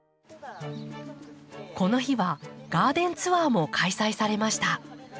この日はガーデンツアーも開催されました。